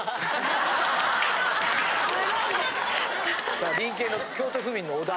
さあ隣県の京都府民の小田。